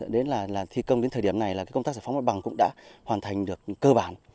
đến là thi công đến thời điểm này là công tác giải phóng mặt bằng cũng đã hoàn thành được cơ bản